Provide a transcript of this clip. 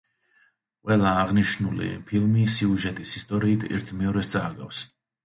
ყველა აღნიშნული ფილმი სიუჟეტის ისტორიით ერთიმეორეს წააგავს.